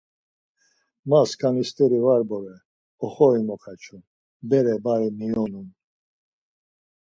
Ma skani steri var bore, oxori mokaçun, bere bari miyonun.